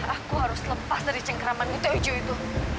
aku harus lepas dari cengkeraman nutia uju itu